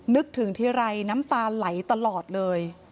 นึกถึงทีไรน้ำตาไหลตลอดเลย